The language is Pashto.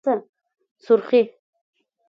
💄سورخي